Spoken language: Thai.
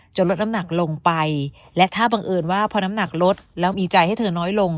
ลดน้ำหนักลงไปและถ้าบังเอิญว่าพอน้ำหนักลดแล้วมีใจให้เธอน้อยลง